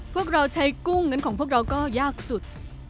พวกเราใช้กุ้งนั้นของพวกเราก็ยากสุด